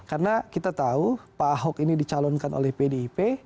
karena kita tahu pak ahok ini dicalonkan oleh pdip